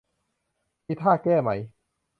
มีท่าแก้ไหม ?